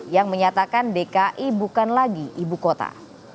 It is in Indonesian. yang menyatakan dki bukan lagi ibu kota